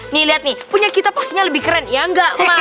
nih lihat nih punya kita pastinya lebih keren ya enggak